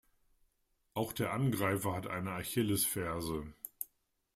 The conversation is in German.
Auch der Angreifer hat eine Achillesferse.